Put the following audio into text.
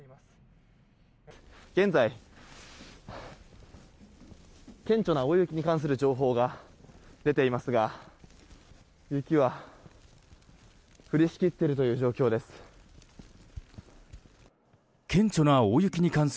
現在、顕著な大雪に関する情報が出ていますが雪は降りしきっているという状況です。